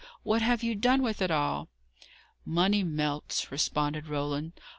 What have you done with it all?" "Money melts," responded Roland.